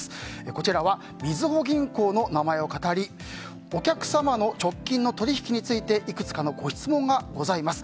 こちらはみずほ銀行の名前をかたりお客様の直近の取引についていくつかのご質問がございます。